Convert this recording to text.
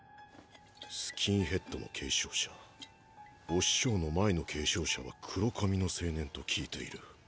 スキンヘッドの継承者お師匠の前の継承者は黒髪の青年と聞いている。